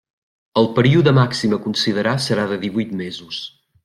El període màxim a considerar serà de divuit mesos.